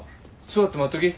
座って待っとき。